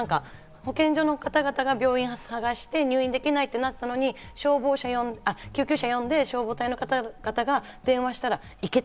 保健所の方々が病院を探して入院できないってなったのに救急車を呼んで消防隊の方々が電話したらいけた。